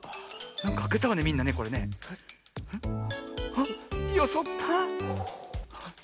あっよそった。